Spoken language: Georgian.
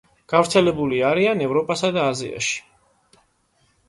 გავრცელებული არიან ევროპასა და აზიაში.